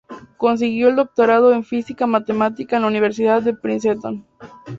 Consiguió el doctorado en Física Matemática en la Universidad de Princeton.